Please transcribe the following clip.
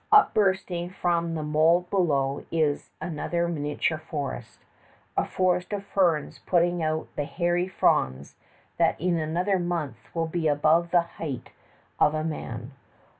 Upbursting from the mold below is another miniature forest a forest of ferns putting out the hairy fronds that in another month will be above the height of a man.